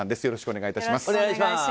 よろしくお願いします。